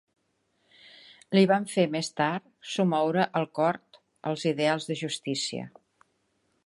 Li van fer més tard somoure el cor els ideals de justícia